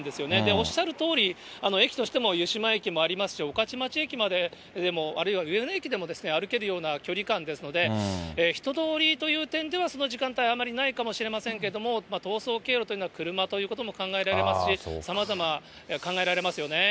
おっしゃるとおり、駅としても湯島駅もありますし、御徒町駅までも、あるいは上野駅でも歩けるような距離感ですので、人通りという点では、その時間帯、あまりないかもしれませんけれども、逃走経路というのは、車ということも考えられますし、さまざま考えられますよね。